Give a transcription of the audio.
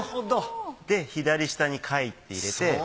で左下に「槐」って入れて。